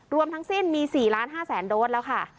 รวมทั้งสิ้นมี๔๕๐๐๐โดสแล้วค่ะ